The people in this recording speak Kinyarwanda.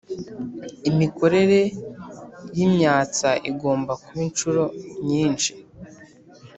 Imikorere y'imyatsa igomba kuba inshuro nyinshi